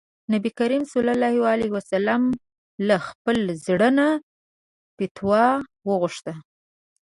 نبي کريم ص له خپل زړه نه فتوا وغوښته.